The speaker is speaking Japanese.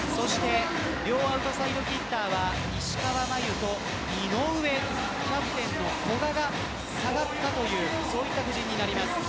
両アウトサイドヒッターは石川真佑と井上キャプテンの古賀が下がったそういった布陣となります。